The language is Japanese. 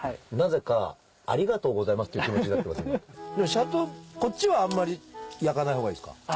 シャトーこっちはあんまり焼かない方がいいですか？